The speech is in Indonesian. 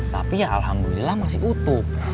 tapi ya alhamdulillah masih utuh